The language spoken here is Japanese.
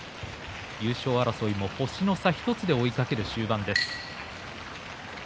優勝争いを星の差１つで追いかける終盤です。